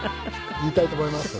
言いたいと思います。